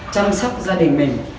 chăm sóc gia đình mình